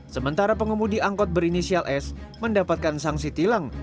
sementara pengemudi angkot berinisial s mendapatkan sanksi tilang